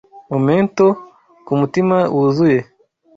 Momento kumutima wuzuye